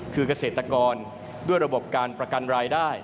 คือเกษตรกรด้วยระบบการประกันรายได้